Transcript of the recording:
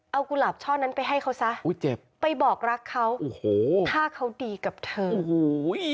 เอากุหลาบช่อนั้นไปให้เขาซะอุ้ยเจ็บไปบอกรักเขาโอ้โหถ้าเขาดีกับเธอโอ้โห